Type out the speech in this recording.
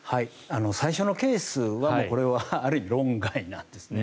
最初のケースは、これはある意味、論外なんですね。